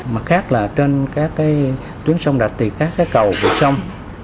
mặt khác là trên các tuyến sông đạch thì các cầu vượt sông